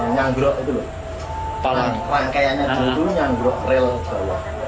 nyanggro itu lho rangkaiannya dulu nyanggro rel terluar